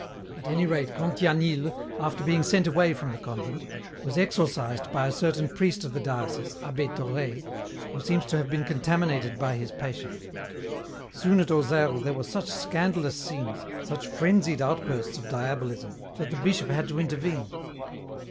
At any rate, Cantianille, after being sent away from the convent, was exorcised by a certain priest of the diocese, abbé Thorey, who seems to have been contaminated by his patient. Soon at Auxerre there were such scandalous scenes, such frenzied outbursts of Diabolism, that the bishop had to intervene.